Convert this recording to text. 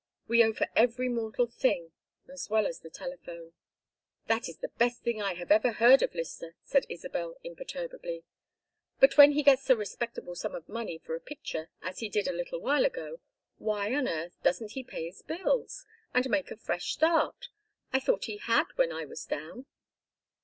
We owe for every mortal thing as well as the telephone." "That is the best thing I have ever heard of Lyster," said Isabel, imperturbably. "But when he gets a respectable sum of money for a picture, as he did a little while ago, why on earth doesn't he pay his bills, and make a fresh start? I thought he had when I was down."